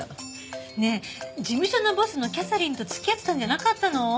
ねえ事務所のボスのキャサリンと付き合ってたんじゃなかったの？